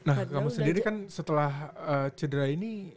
nah kamu sendiri kan setelah cedera ini